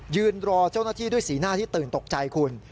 ยืนรอเจ้าหน้าที่ด้วยสีหน้าที่ตื่นตกใจคุณ